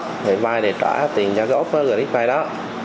thì vay để trả tiền cho cái ốp gửi điện thoại đó